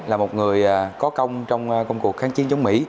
đã có công trong công cuộc kháng chiến chống mỹ